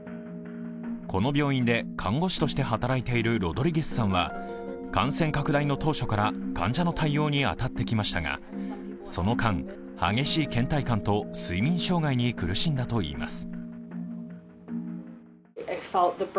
この病院で看護師として働いているロドリゲスさんは感染拡大の当初から患者の対応に当たってきましたがその間、激しいけん怠感と睡眠障害に苦しんだといいます。